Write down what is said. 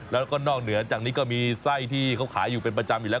แล้วก็นอกเหนือจากนี้ก็มีไส้ที่เขาขายอยู่เป็นประจำอยู่แล้ว